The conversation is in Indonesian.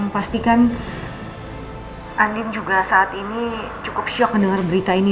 pastikan andin juga saat ini cukup syok mendengar berita ini